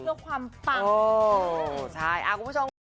เพื่อความปัก